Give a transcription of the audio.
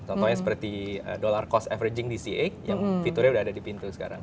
contohnya seperti dollar cost averaging di cx yang fiturnya udah ada di pintu sekarang